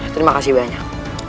terima kasih banyak